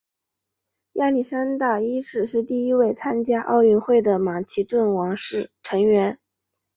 亚历山大一世是第一位参加奥运会的马其顿王室成员。